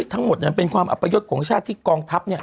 ทั้งหมดเป็นความอัปยศของชาติที่กองทัพ